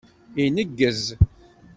Ineggez.